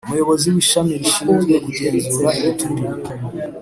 Umuyobozi w Ishami rishinzwe Kugenzura imiturire